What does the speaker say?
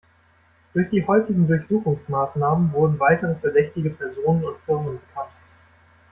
Durch die heutigen Durchsuchungsmaßnahmen wurden weitere verdächtige Personen und Firmen bekannt.